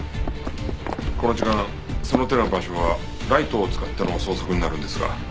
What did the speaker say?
この時間その手の場所はライトを使っての捜索になるんですが。